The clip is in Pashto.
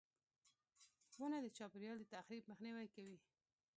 • ونه د چاپېریال د تخریب مخنیوی کوي.